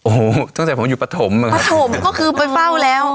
โอ้โหตั้งแต่ผมอยู่ปฐมมาปฐมก็คือไปเฝ้าแล้ว